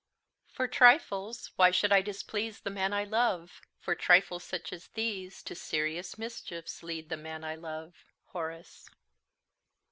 "For trifles why should I displease The man I love? For trifles such as these To serious mischiefs lead the man I love." HORACE.